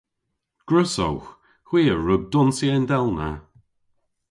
Gwrussowgh. Hwi a wrug donsya yndellna.